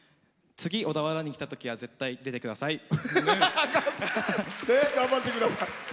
次、小田原に来たときは絶対出てください。